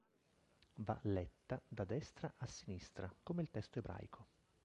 Va letta da destra a sinistra, come il testo ebraico.